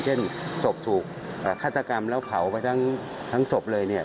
เช่นศพถูกฆาตกรรมแล้วเผาไปทั้งศพเลยเนี่ย